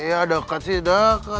iya deket sih deket